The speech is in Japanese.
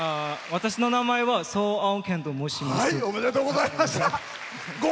私の名前はソウーと申します。